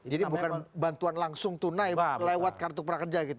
jadi bukan bantuan langsung tunai lewat kartu prakerja gitu